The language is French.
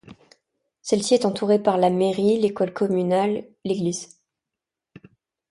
Celle-ci est entourée par la mairie, l'école communale, l'église.